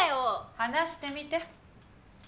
話してみて。